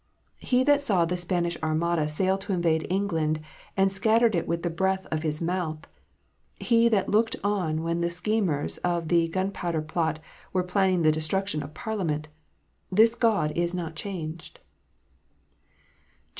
He that saw the Spanish Armada sail to invade England, and scattered it with the breath of His mouth, He that looked on when the schemers of the Gun powder Plot were planning the destruction of Parliament, this God .is not changed.